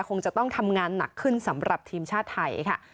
คงจะต้องทำงานหนักขึ้นสำหรับทีมชาติไทยค่ะ